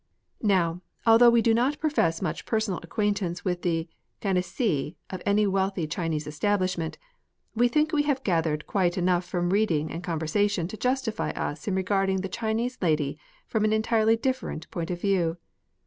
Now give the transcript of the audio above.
Now, although we do not profess much personal ac quaintance with the gynecee of any wealthy Chinese establishment, we think we have gathered quite enough from reading and conversation to justify us in regard ing the Chinese lady from an entirely different point of view.